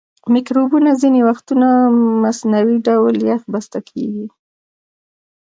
مکروبونه ځینې وختونه مصنوعي ډول یخ بسته کیږي.